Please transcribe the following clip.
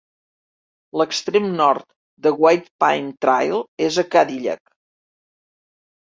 L'extrem nord de White Pine Trail és a Cadillac.